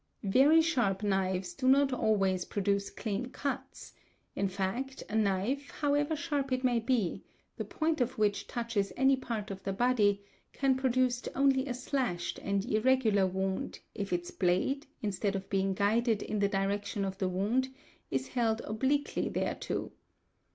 Very sharp knives do not always produce clean cuts; in fact a _. knife, however sharp it may be, the point J of which touches any part of the body, can produce only a slashed and irregular wound if its blade, instead of being guided in the direction of the wound, is hele obliquely thereto.